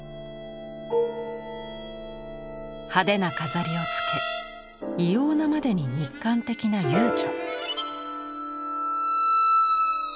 派手な飾りをつけ異様なまでに肉感的な遊女。